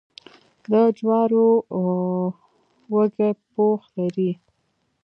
د جوارو وږی پوښ لري.